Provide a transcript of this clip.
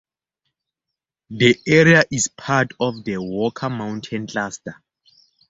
The area is part of the "Walker Mountain Cluster".